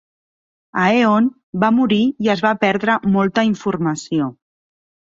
Aeon va morir i es va perdre molta informació.